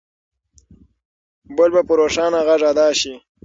بل به په روښانه غږ ادا شي.